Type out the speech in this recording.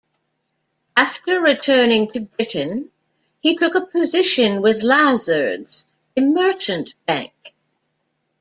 After returning to Britain, he took a position with Lazards, a merchant bank.